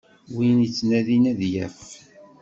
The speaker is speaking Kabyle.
Win ittnadin ad yaf.